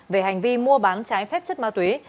về hành vi mua bán trái phép chất ma túy